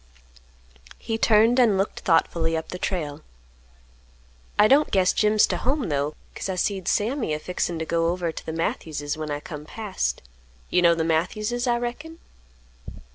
He turned and looked thoughtfully up the trail. "I don't guess Jim's to home though; 'cause I see'd Sammy a fixin' t' go over t' th' Matthews's when I come past. You know the Matthews's, I reckon?"